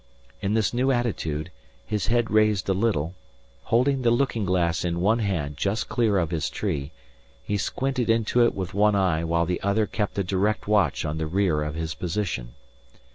In this new attitude, his head raised a little, holding the looking glass in one hand just clear of his tree, he squinted into it with one eye while the other kept a direct watch on the rear of his position.